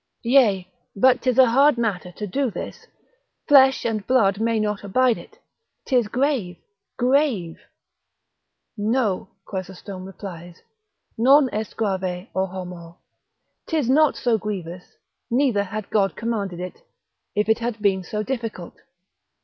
Yea, but 'tis a hard matter to do this, flesh and blood may not abide it; 'tis grave, grave! no (Chrysostom replies) non est grave, o homo! 'tis not so grievous, neither had God commanded it, if it had been so difficult.